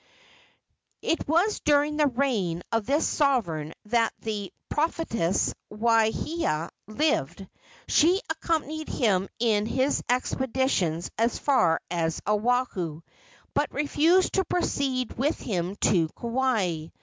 It was during the reign of this sovereign that the prophetess Waahia lived. She accompanied him in his expeditions as far as Oahu, but refused to proceed with him to Kauai.